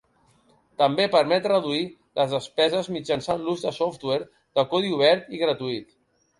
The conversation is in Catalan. També permet reduir les despeses mitjançant l'ús de software de codi obert i gratuït.